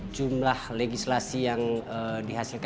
jumlah legislasi yang terhadir